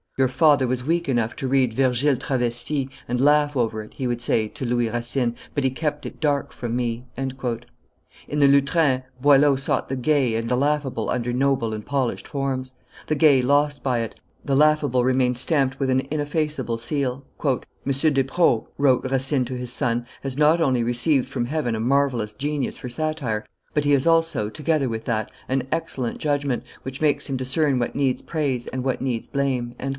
"Your father was weak enough to read Virgile travesti, and laugh over it," he would, say to Louis Racine, "but he kept it dark from me." In the Lutrin, Boileau sought the gay and the laughable under noble and polished forms; the gay lost by it, the laughable remained stamped with an ineffaceable seal. "M. Despreaux," wrote Racine to his son, "has not only received from heaven a marvellous genius for satire, but he has also, together with that, an excellent judgment, which makes him discern what needs praise and what needs blame."